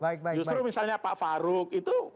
justru misalnya pak faruk itu